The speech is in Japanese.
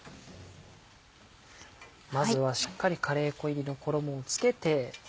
まずはしっかりカレー粉入りの衣を付けて。